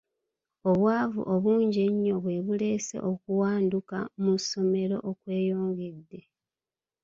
Obwavu obungi ennyo bwe buleese okuwanduka mu ssomero okweyongedde.